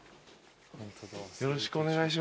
よろしくお願いします。